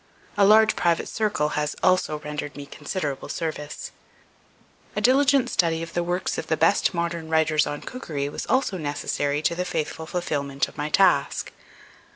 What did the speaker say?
A large private circle has also rendered me considerable service. A diligent study of the works of the best modern writers on cookery was also necessary to the faithful fulfilment of my task.